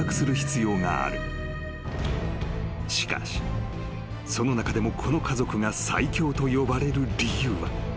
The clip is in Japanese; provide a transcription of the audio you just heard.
［しかしその中でもこの家族が最恐と呼ばれる理由は］